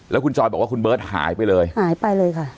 แล้วคุณจอยบอกว่าคุณเบิร์ตหายไปเลยหายไปเลยค่ะ